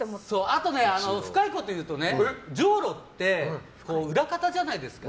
あと深いこと言うとジョウロって裏方じゃないですか。